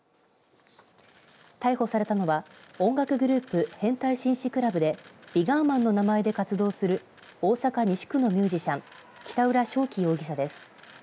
逮捕されたのは音楽グループ、変態紳士クラブでＶＩＧＯＲＭＡＮの名前で活動する大阪、西区のミュージシャン北浦翔暉容疑者です。